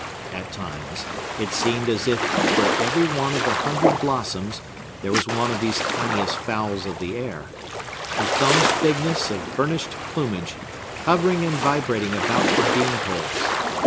At times, it seemed as if for every one of the hundred blossoms there was one of these tiniest fowls of the air,—a thumb's bigness of burnished plumage, hovering and vibrating about the bean poles.